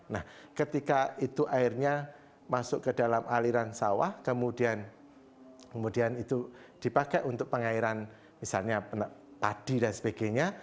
nah ketika itu airnya masuk ke dalam aliran sawah kemudian itu dipakai untuk pengairan misalnya padi dan sebagainya